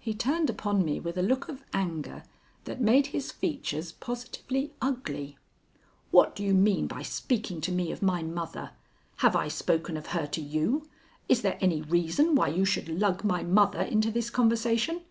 He turned upon me with a look of anger that made his features positively ugly. "What do you mean by speaking to me of my mother? Have I spoken of her to you? Is there any reason why you should lug my mother into this conversation?